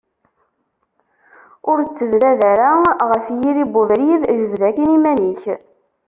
Ur ttebdad ara ɣef yiri n ubrid, jbed akin iman-ik.